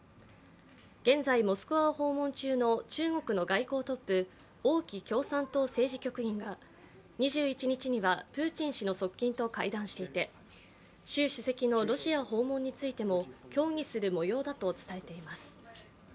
現在、モスクワを訪問中の中国の外交トップ、王毅共産党政治局員が、２１日にはプーチン氏の側近と会談していて、習主席のロシア訪問についても協議するもようだと伝えています。